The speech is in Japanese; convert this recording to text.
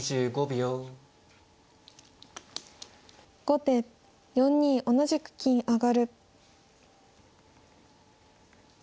後手４二同じく金上。